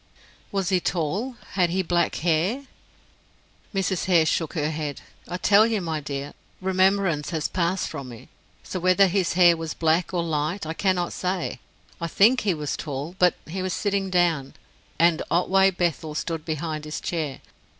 "Was he tall? Had he black hair?" Mrs. Hare shook her heard. "I tell you, my dear, the remembrance has passed from me; so whether his hair was black or light, I cannot say. I think he was tall, but he was sitting down, and Otway Bethel stood behind his chair.